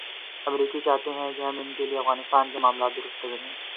امریکی چاہتے ہیں کہ ہم ا ن کے لیے افغانستان کے معاملات درست کریں۔